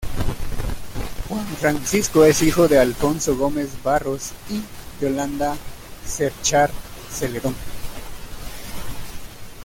Juan Francisco es hijo de Alfonso Gómez Barros y Yolanda Cerchar Celedón.